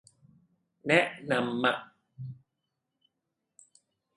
แนะนำมะ